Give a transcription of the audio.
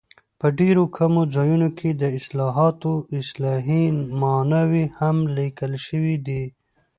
په ډېرو کمو ځایونو کې د اصطلاحاتو اصطلاحي ماناوې هم لیکل شوي دي.